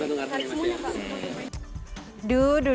tergantung arahnya mas ya